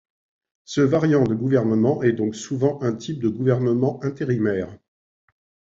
Ce variant de gouvernement est donc souvent un type de gouvernement intérimaire.